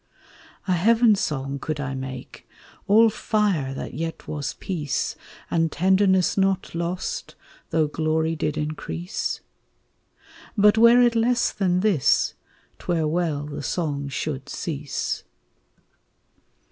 A heaven song could I make, all fire that yet was peace, And tenderness not lost, though glory did increase? But were it less than this, 't were well the song should cease.